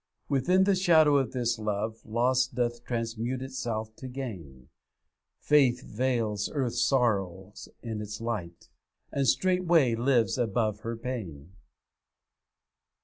'Within the shadow of this love, Loss doth transmute itself to gain; Faith veils earth's sorrows in its light, And straightway lives above her pain.